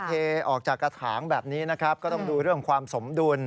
เทออกจากกระถางแบบนี้นะครับก็ต้องดูเรื่องความสมดุล